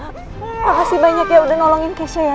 makasih banyak ya udah nolongin keisha ya